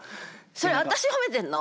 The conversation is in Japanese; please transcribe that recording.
それ私褒めてんの？